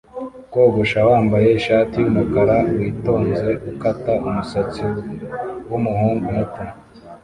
Kogosha wambaye ishati yumukara witonze ukata umusatsi wumuhungu muto